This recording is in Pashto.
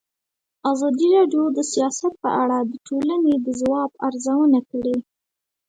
ازادي راډیو د سیاست په اړه د ټولنې د ځواب ارزونه کړې.